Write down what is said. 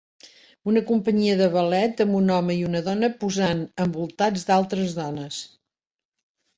Una companyia de ballet amb un home i una dona posant envoltats d'altres dones.